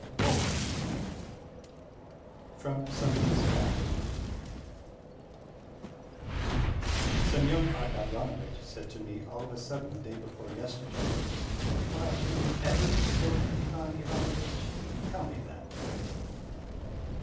BOBOK FROM SOMEBODY'S DIARY Semyon Ardalyonovitch said to me all of a sudden the day before yesterday: "Why, will you ever be sober, Ivan Ivanovitch? Tell me that, pray."